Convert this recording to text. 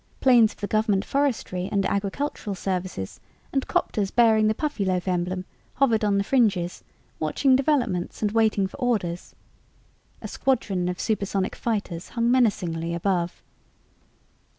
Planes of the government forestry and agricultural services and 'copters bearing the Puffyloaf emblem hovered on the fringes, watching developments and waiting for orders. A squadron of supersonic fighters hung menacingly above.